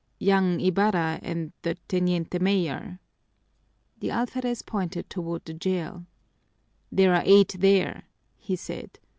"Young Ibarra and the teniente mayor?" The alferez pointed toward the jail. "There are eight there," he said.